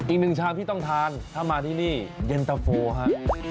อีกหนึ่งชามที่ต้องทานถ้ามาที่นี่เย็นตะโฟฮะ